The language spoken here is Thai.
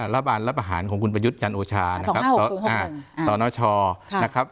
ระบานระบาหารของคุณประยุทธ์จันทร์โอชาสนชนะครับ